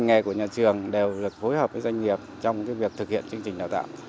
các nghề của nhà trường đều được phối hợp với doanh nghiệp trong việc thực hiện chương trình đào tạo